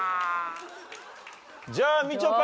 じゃあみちょぱ。